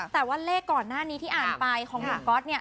แต่ว่าเลขก่อนหน้านี้ที่อ่านไปของหนุ่มก๊อต